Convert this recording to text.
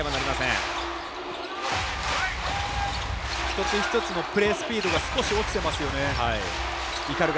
一つ一つのプレースピードが少し落ちていますよね。